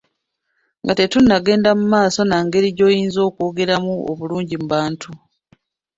Nga tetunnagenda mu maaso na ngeri gy’oyinza okwogeramu obulungi mu bantu.